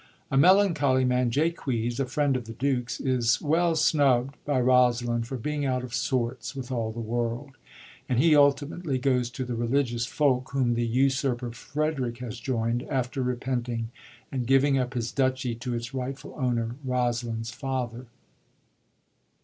A melancholy man, Jaques, a friend of the Duke's, is well snubd by Rosalind for being out of soi'ts with all the world ; and he ultimately goes to the religious folk whom the usurper Frederick has joind after repenting and giving up his duchy to its rightful owner, Rosalind's father.